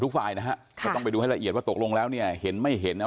ตื่นแล้วเห็นเลยใช่แล้วก็มาบอกแม่